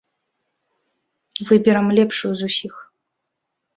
Выберам лепшую з усіх.